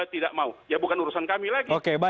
tidak mau ya bukan urusan kami lagi